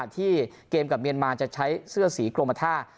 ที่เกมกับเมียนมาจะใช้เสื้อสีกรมท่า